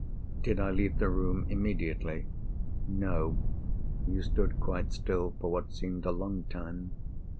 "Did I leave the room immediately?" "No. You stood quite still, for what seemed a long time.